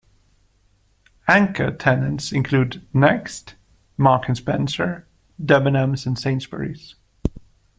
Anchor tenants include Next, Marks and Spencer, Debenhams and Sainsbury's.